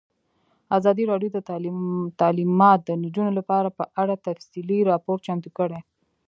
ازادي راډیو د تعلیمات د نجونو لپاره په اړه تفصیلي راپور چمتو کړی.